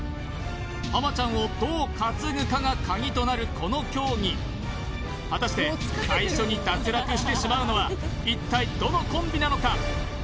浜ちゃんをどう担ぐかが鍵となるこの競技果たして最初に脱落してしまうのは一体どのコンビなのか？